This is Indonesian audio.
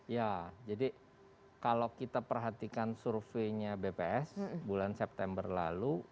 ya jadi kalau kita perhatikan surveinya bps bulan september lalu